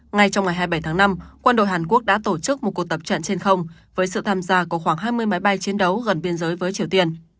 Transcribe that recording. ngay trong ngày hai mươi bảy tháng năm quân đội hàn quốc đã tổ chức một cuộc tập trận trên không với sự tham gia của khoảng hai mươi máy bay chiến đấu gần biên giới với triều tiên